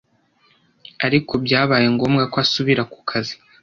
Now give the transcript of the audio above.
ariko byabaye ngombwa ko asubira ku kazi.